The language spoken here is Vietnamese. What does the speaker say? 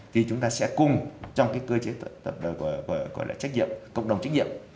thì chúng ta sẽ cùng trong cơ chế tập đời của cộng đồng trách nhiệm